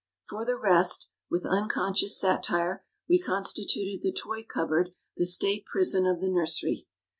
For the rest, with unconscious satire, we constituted the toy cupboard the state prison of the nursery.